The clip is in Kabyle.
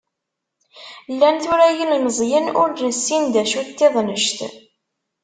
Llan tura yilemẓiyen ur nessin d acu d tidnect.